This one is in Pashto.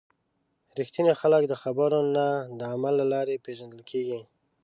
رښتیني خلک د خبرو نه، د عمل له لارې پیژندل کېږي.